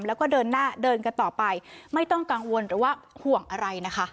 แล้วก็เดินหน้าเดินกันต่อไปไม่ต้องกังวลหรือว่าห่วงอะไรนะคะ